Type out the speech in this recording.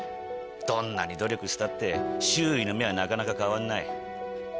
どんなに努力したって周囲の目はなかなか変わんない。